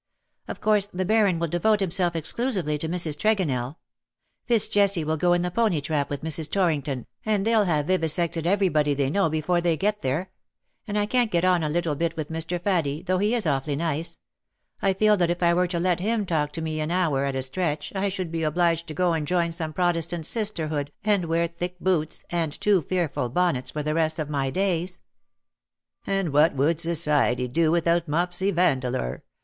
Of course the Baron will devote himself exclusively to Mrs. Tregonell. Fitz Jesse will go in the pony trap with Mrs. Torrington, and they^ll have vivisected everybody they know before they get there. And I can't get on a little bit with Mr. Faddie, though 173 he is awfully nice. I feel that if I were to let him talk to me an hour at a stretch I should be obliged to go and join some Protestant sisterhood and wear thick boots and too fearful bonnets for the rest of my days/^ "And what would society do without Mopsy Vandeleur?"